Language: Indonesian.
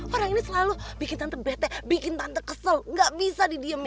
orang ini selalu bikin tante betek bikin tante kesel nggak bisa didiem